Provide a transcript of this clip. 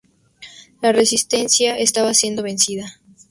La resistencia estaba siendo vencida.